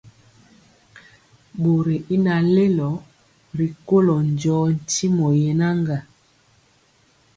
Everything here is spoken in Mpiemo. Bori y naŋ lelo rikolo njɔɔ tyimɔ yenaga.